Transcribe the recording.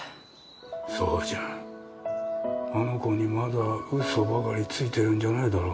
宗純あの子にまだウソばかりついているんじゃないだろうな？